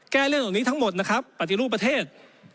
เรื่องเหล่านี้ทั้งหมดนะครับปฏิรูปประเทศ